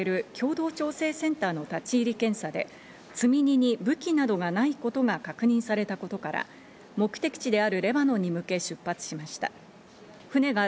仲介役のトルコや国連などで構成される共同調整センターの立ち入り検査で積荷に武器などがないことが確認されたことから、目的地であるレバノンに向け出発しました。